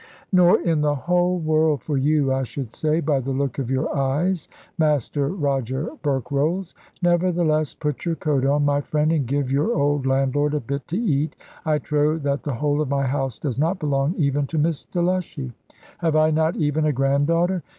"Nor in the whole world for you, I should say, by the look of your eyes, Master Roger Berkrolles. Nevertheless put your coat on, my friend, and give your old landlord a bit to eat. I trow that the whole of my house does not belong even to Miss Delushy. Have I not even a granddaughter?"